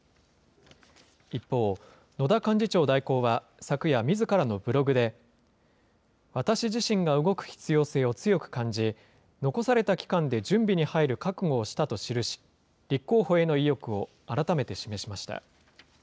一方、野田幹事長代行は昨夜、みずからのブログで、私自身が動く必要性を強く感じ、残された期間で準備に入る覚悟をしたと記し、立候補への意欲を改めて示しました。